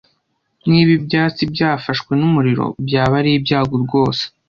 Niba ibyatsi byafashwe n'umuriro, byaba ari ibyago rwose.